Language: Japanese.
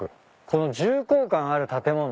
この重厚感ある建物。